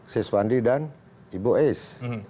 siswandi dan ibu eis